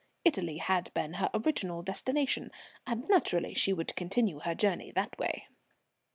Italy had been her original destination, and naturally she would continue her journey that way.